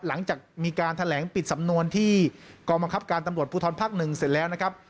หลังจากมีการแถลงปิดสำนวนที่กองบังคับการตำรวจภูทรภาค๑เสร็จแล้วนะครับ